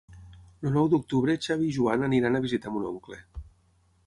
El nou d'octubre en Xavi i en Joan iran a visitar mon oncle.